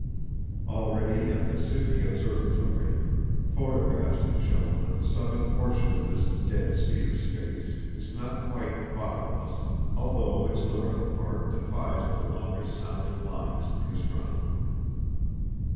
Already at the Sydney Observatory photographs have shown that the southern portion of this Dead Sea of Space is not quite "bottomless," although its northern part defies the longest sounding lines of the astronomer.